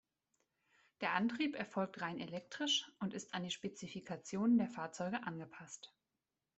Der Antrieb erfolgt rein elektrisch und ist an die Spezifikationen der Fahrzeuge angepasst.